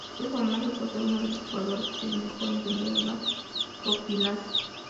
Fue famoso por ser uno de los jugadores que mejor entendieron la profilaxis.